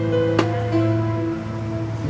saya sudah berhenti